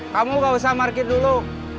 kamu nggak usah markir dulu